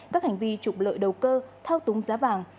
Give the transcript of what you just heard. các hành vi trục lợi đầu cơ thao túng giá vàng